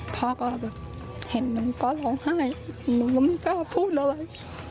พ่อเห็นหนูก็ร้องไห้หนูก็ไม่กลัวพูดอะไร